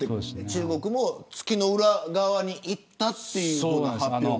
中国も月の裏側に行ったという発表。